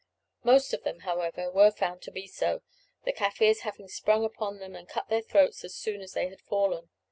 Most of them, however, were found to be so, the Kaffirs having sprung upon them and cut their throats as soon as they had fallen.